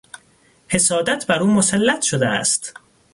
حسادت بر او مسلط شده است.